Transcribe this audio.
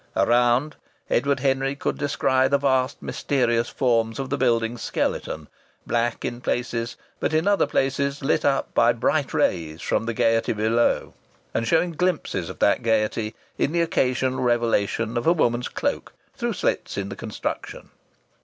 Around, Edward Henry could descry the vast mysterious forms of the building's skeleton black in places, but in other places lit up by bright rays from the gaiety below, and showing glimpses of that gaiety in the occasional revelation of a woman's cloak through slits in the construction.